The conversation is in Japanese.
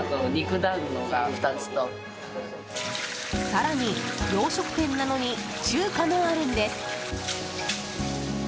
更に洋食店なのに中華もあるんです。